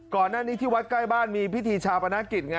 ก่อนหน้านี้ที่วัดใกล้บ้านมีพิธีชาปนกิจไง